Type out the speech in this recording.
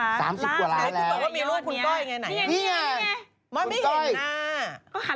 เนี้ยอันนี้ก็๓๐ล้านแล้วนะคะ